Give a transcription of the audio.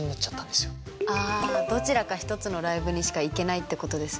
ああどちらか１つのライブにしか行けないってことですね。